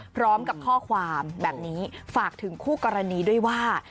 พร้อมกับข้อความแบบนี้ฝากถึงคู่กรณีด้วยว่า